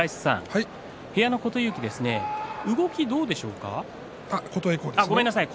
部屋の琴恵光は動きは、どうでしょうか。